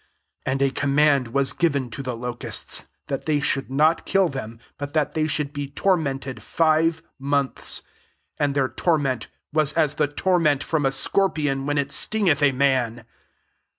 5 And a command IT as given to the locuats that :hey should not kill them, but that they should be tormented ive months : and their torment wa9 as the torment from a scor pion, when it stingeth a man.